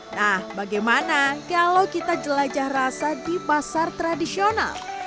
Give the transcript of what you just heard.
nah bagaimana kalau kita jelajah rasa di pasar tradisional